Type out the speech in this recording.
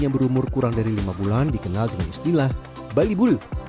yang berumur kurang dari lima bulan dikenal dengan istilah balibul